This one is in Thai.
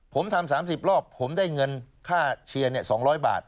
ผมทำ๓๐รอบผมได้เงินค่าเชียร์๒๐๐บาท